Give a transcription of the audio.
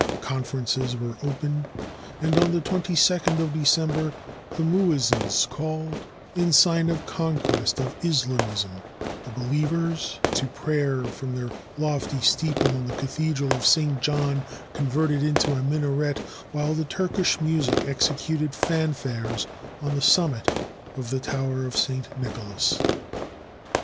Conferences were opened, and on the 2 2d December, the muezzins called, in sign of conquest of Islamism, the believers to prayer from the lofty steeple of the cathedral of St. John, converted into a minaret, while the Turkish music executed fanfares on the sum mit of the tower of St. Nicholas.